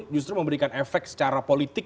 justru memberikan efek secara politik